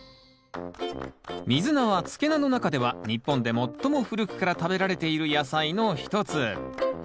ミズナは漬け菜の中では日本で最も古くから食べられている野菜の一つ。